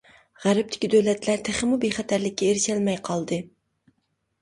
غەربتىكى دۆلەتلەر تېخىمۇ بىخەتەرلىككە ئېرىشەلمەي قالدى.